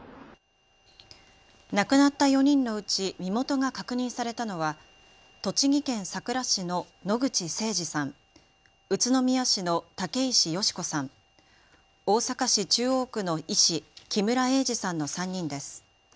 亡くなった４人のうち身元が確認されたのは栃木県さくら市の野口誠二さん、宇都宮市の竹石佳子さん、大阪市中央区の医師、木村英二さんの３人です。